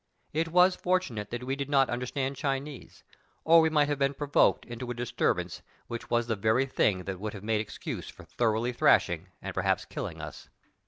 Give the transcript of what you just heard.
It was fortunate that we did not under stand Chinese, or we might have been provoked into a disturbance which was the very thing that would have made excuse for thoroughly thrash ing, and perhaps killing us.